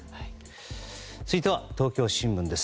続いては東京新聞です。